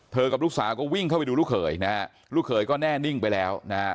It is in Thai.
กับลูกสาวก็วิ่งเข้าไปดูลูกเขยนะฮะลูกเขยก็แน่นิ่งไปแล้วนะฮะ